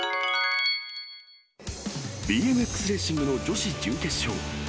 ＢＭＸレーシングの女子準決勝。